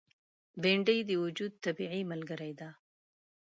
بېنډۍ د وجود طبیعي ملګره ده